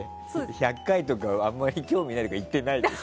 １００回とかあんまり興味ないとか言ってないでさ。